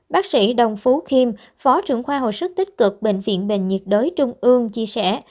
bác sĩ đồng phú khiêm phó trưởng khoa hồi sức tích cực bệnh viện bệnh nhiệt đới trung ương chia sẻ